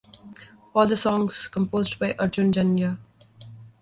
All the songs composed by Arjun Janya.